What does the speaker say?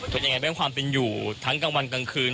สุดยังไงเป็นความเป็นอยู่แทนกลางวันกลางคืน